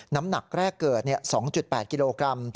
น้ำหนักแรกเกิด๒๘กิโลกรัม